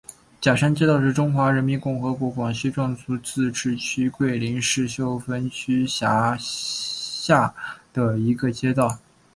甲山街道是中华人民共和国广西壮族自治区桂林市秀峰区下辖的一个街道。